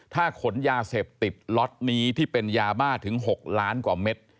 ถ้าขนยาเสพติดล็อตนี้ที่เป็นยาบ้าถึง๖ล้านกว่าเม็ด